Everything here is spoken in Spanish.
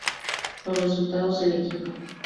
Los resultados del equipo.